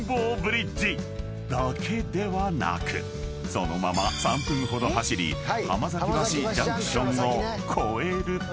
［そのまま３分ほど走り浜崎橋ジャンクションを越えると］